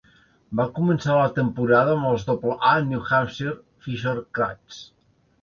Va començar la temporada amb els doble A New Hampshire Fisher Cats.